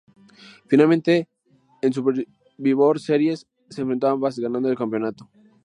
Finalmente, en Survivor Series se enfrentó a ambas, ganando el campeonato.